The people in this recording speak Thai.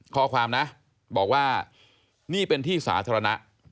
ข้อความนะบอกว่านี่เป็นที่สาธารณะ